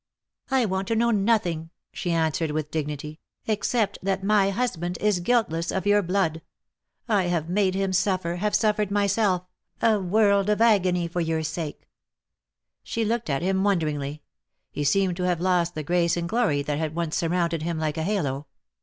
"I want to know nothing," she answered with dignity, " except that my husband is guiltless of your blood. I have made him suffer — have suffered myself — a world of agony for your sake." She looked at him wonderingly. He seemed to have lost the grace and glory that had once surrounded him like a halo.